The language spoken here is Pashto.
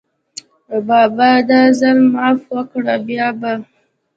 بابا دا ځل معافي وکړه، بیا به …